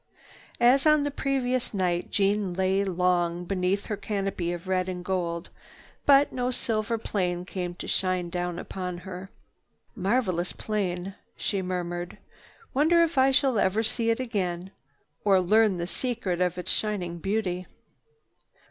As on the previous night, Jeanne lay long beneath her canopy of red and gold. But no silver plane came to shine down upon her. "Marvelous plane," she murmured. "Wonder if I shall ever see it again, or learn the secret of its shining beauty?"